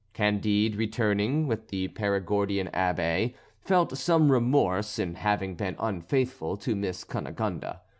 Candide, returning with the Perigordian Abbé, felt some remorse in having been unfaithful to Miss Cunegonde.